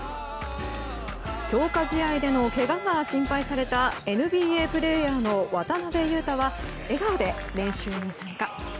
強化試合でのけがが心配されたＮＢＡプレーヤーの渡邊雄太は笑顔で練習に参加。